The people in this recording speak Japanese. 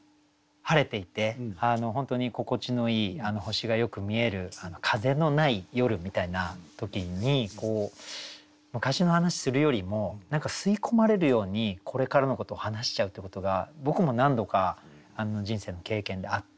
晴れていて本当に心地のいい星がよく見える風のない夜みたいな時に昔の話するよりも吸い込まれるようにこれからのことを話しちゃうってことが僕も何度か人生の経験であって。